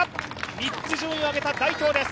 ３つ順位を上げた大東です。